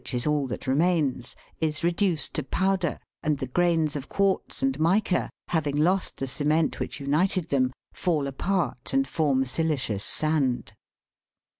35 is all that remains, is reduced to powder, and the grains of quartz and mica, having lost the cement which united them, fall apart and form silicious sand.